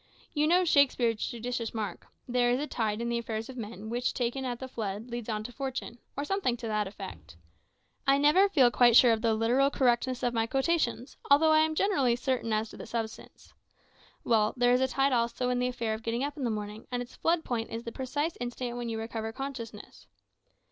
You know Shakespeare's judicious remark `There is a tide in the affairs of men which, taken at the flood, leads on to fortune,' or something to that effect. I never feel quite sure of the literal correctness of my quotations, although I am generally certain as to the substance. Well, there is a tide also in the affair of getting up in the morning, and its flood point is the precise instant when you recover consciousness.